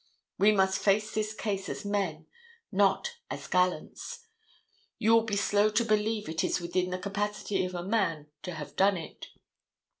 We must face this case as men, not as gallants. You will be slow to believe it is within the capacity of a man to have done it.